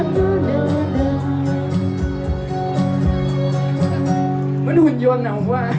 จะทำไม่ไปเพราะฉันรักเธอ